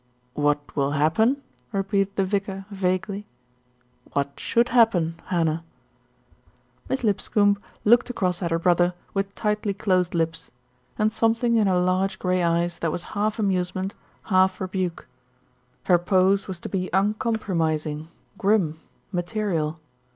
"What will happen?" repeated the vicar vaguely. "What should happen, Hannah?" Miss Lipscombe looked across at her brother with 58 THE RETURN OF ALFRED tightly closed lips, and something in her large grey eyes that was half amusment, half rebuke. Her pose was to be uncompromising, grim, material.